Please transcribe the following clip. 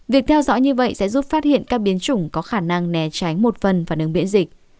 việc theo dõi như vậy sẽ giúp phát hiện các biến chủng có khả năng né tránh một phần phản ứng miễn dịch